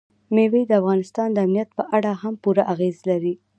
مېوې د افغانستان د امنیت په اړه هم پوره اغېز لري.